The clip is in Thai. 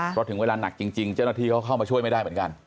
เพราะถึงเวลาหนักจริงเจ้าหน้าที่เขาเข้ามาช่วยไม่ได้เหมือนกัน